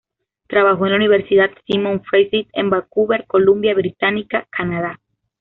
Trabajó en la Universidad Simon Fraser en Vancouver, Columbia Británica, Canadá.